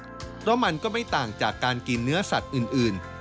เพราะมันก็ไม่ต่างจากการกินเนื้อสัตว์อื่น